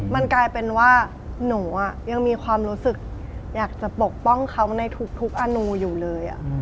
มันกลายเป็นว่าหนูยังมีความรู้สึกอยากจะปกป้องเขาในทุกอนูอยู่เลย